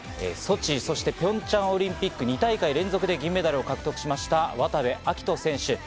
ソチ、そしてピョンチャンオリンピック２大会連続で銀メダルを獲得しました渡部暁斗選手。